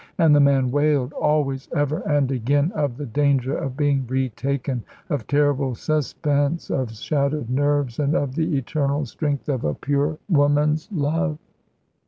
And the man wailed always, ever and again, of the danger of being retaken, of terrible suspense, of shattered nerves, and of the eternal strength of a pure woman's love.